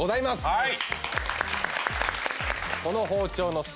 はい